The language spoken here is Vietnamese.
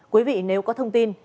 quý vị nếu có thông tin